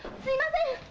すみません。